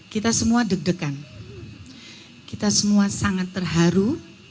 kita semua deg degan kita semua sangat terharu